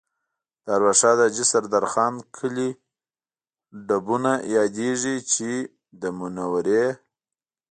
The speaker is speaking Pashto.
د ارواښاد حاجي سردار خان کلی ډبونه یادېږي چې د منورې